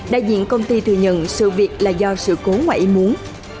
đại diện công ty thừa nhận sự việc là do sự cố ngoài ý muốn